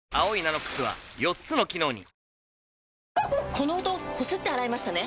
この音こすって洗いましたね？